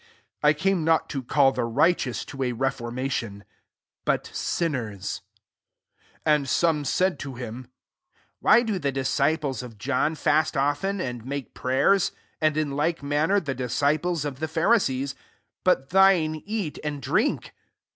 32 1 came not to call the righteous to a reft»rmati<»i^ but sinners." SS And some sud to him, '< Wiiy 4o the disciples of John &st often, and make prayers ; and in like manner the dieeifiie^ of the Pharisees : but thine eat and drink